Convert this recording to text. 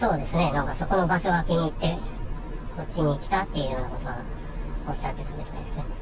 なんかそこの場所がすごい気に入って、こっちに来たっていうことをおっしゃってたみたいですね。